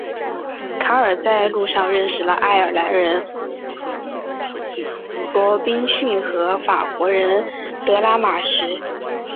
卡尔在路上认识了爱尔兰人罗宾逊和法国人德拉马什。